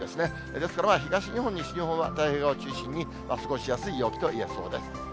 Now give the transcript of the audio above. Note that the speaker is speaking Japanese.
ですから、東日本、西日本は太平洋側を中心に過ごしやすい陽気といえそうです。